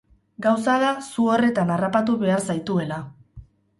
Gauza da zu horretan harrapatu behar zaituela.